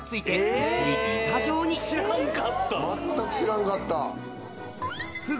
全く知らんかった。